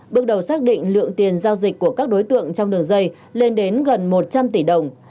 bước đầu xác định lượng tiền giao dịch của các đối tượng trong đường dây lên đến gần một trăm linh tỷ đồng